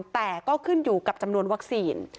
แต่ก็ขึ้นอยู่กับจำนวนวัคซีน